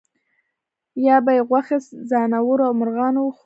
یا به یې غوښې ځناورو او مرغانو وخوړې.